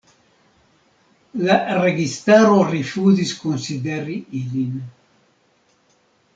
La registaro rifuzis konsideri ilin.